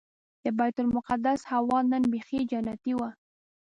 د بیت المقدس هوا نن بيخي جنتي وه.